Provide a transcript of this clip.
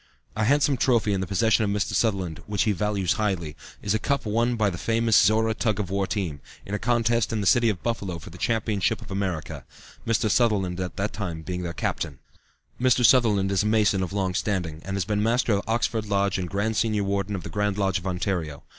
A handsome trophy in the possession of Mr. Sutherland, which he values highly, is a cup won by the famous Zorra tug of war team, in a contest in the city of Buffalo for the championship of America, Mr. Sutherland at that time being their captain. Mr. Sutherland is a Mason of long standing, and has been Master of Oxford Lodge and Grand Senior Warden of the Grand Lodge of Ontario.